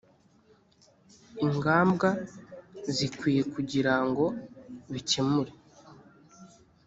ingambwa zikwiye kugira ngo bikemure